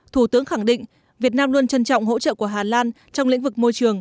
thủ tướng khẳng định việt nam luôn trân trọng hỗ trợ của hà lan trong lĩnh vực môi trường